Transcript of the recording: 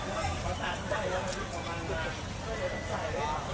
สวัสดีครับสวัสดีครับ